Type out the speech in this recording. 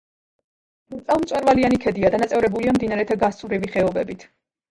ბრტყელმწვერვალიანი ქედია, დანაწევრებულია მდინარეთა გასწვრივი ხეობებით.